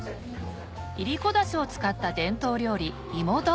いりこ出汁を使った伝統料理「いもど」